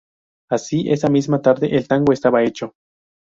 Así esa misma tarde el tango estaba hecho.